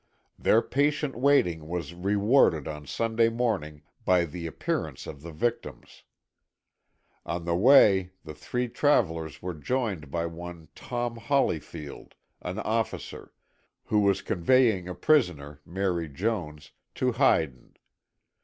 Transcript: Their patient waiting was rewarded on Sunday morning by the appearance of the victims. On the way the three travelers were joined by one Tom Hollifield, an officer, who was conveying a prisoner, Mary Jones, to Hyden.